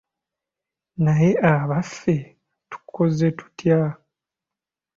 Naye abaffe tukoze tutya?